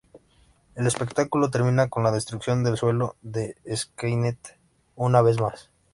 El espectáculo termina con la destrucción del suelo de Skynet, una vez más.